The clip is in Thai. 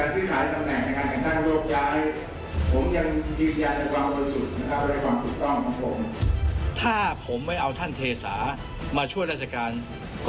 สนุนโดยน้ำดื่มสิง